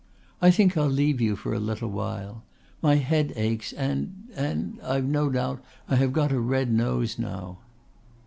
"I think I'll leave you for a little while. My head aches and and I've no doubt I have got a red nose now."